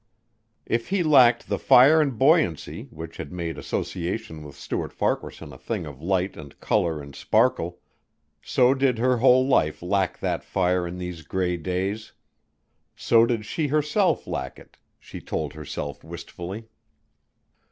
If he lacked the fire and buoyancy which had made association with Stuart Farquaharson a thing of light and color and sparkle, so did her whole life lack that fire in these gray days. So did she herself lack it, she told herself wistfully.